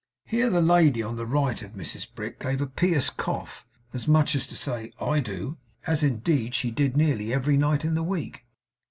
Here the lady on the right of Mrs Brick gave a pious cough as much as to say 'I do!' as, indeed, she did nearly every night in the week.